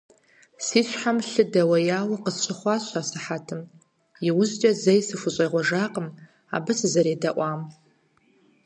Си щхьэм лъы дэуеяуэ къысщыхъуащ асыхьэтым, иужькӀэ зэи сыхущӀегъуэжакъым абы сызэредэӀуам.